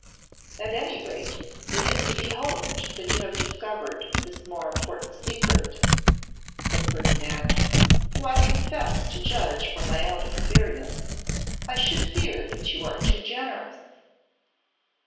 'At any rate, it is to be hoped that you have discovered this more important secret,' said Ferdinand; 'though I confess to judge from my own experience, I should fear that you are too generous.